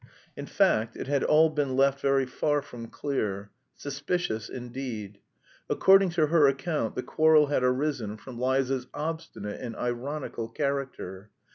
In fact, it had all been left very far from clear suspicious, indeed. According to her account the quarrel had arisen from Liza's "obstinate and ironical character."